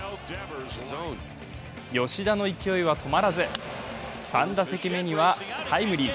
吉田の勢いは止まらず３打席目にはタイムリー。